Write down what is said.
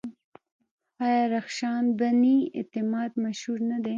آیا رخشان بني اعتماد مشهوره نه ده؟